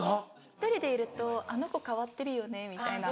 １人でいると「あの子変わってるよね」みたいな。